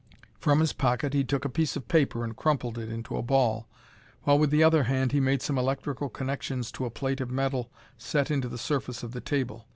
From his pocket he took a piece of paper and crumpled it into a ball while, with the other hand, he made some electrical connections to a plate of metal set into the surface of the table.